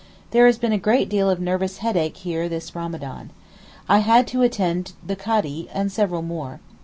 There has been a good deal of nervous headache here this Ramadan. I had to attend the Kadee, and several more.